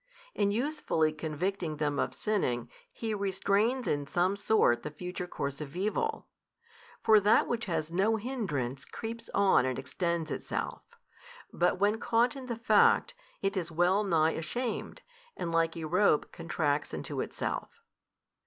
In usefully convicting them of sinning, He restrains in some sort the future course of evil. For that which has no hindrance, creeps on and extends itself; but when caught in the fact, it is well nigh ashamed, and like a rope contracts into itself.